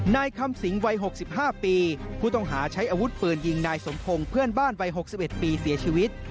นายคำสิงภ์วัยหกสิบห้าปีผู้ต้องหาใช้อาวุธปืนยิงนายสมโพงเพื่อนบ้านวัยหกสิบเอ็ดปีเสียชีวิต